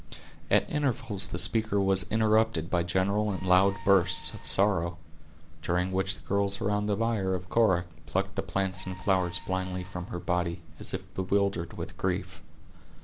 At intervals the speaker was interrupted by general and loud bursts of sorrow, during which the girls around the bier of Cora plucked the plants and flowers blindly from her body, as if bewildered with grief.